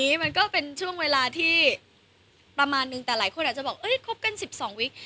อันนี้มันก็เป็นช่วงเวลาที่ประมาณนึงแต่หลายคนอาจจะบอกเอ้ยคบกัน๑๒วิก